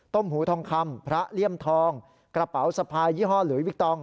หูทองคำพระเลี่ยมทองกระเป๋าสะพายยี่ห้อหลุยวิกตอง